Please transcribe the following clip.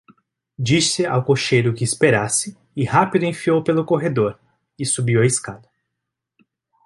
Disse ao cocheiro que esperasse, e rápido enfiou pelo corredor, e subiu a escada.